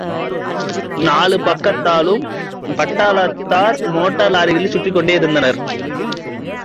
நாலு பக்கத்தாலும் பட்டாளத்தார் மோட்டார் லாரிகளின் சுற்றிக்கொண்டே யிருந்தனர்.